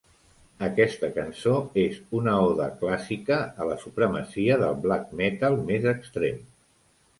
Aquesta cançó és una oda clàssica a la supremacia del Black Metal més extrem.